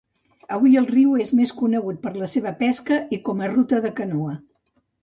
Avui el riu és més conegut per la seva pesca i com a ruta de canoa.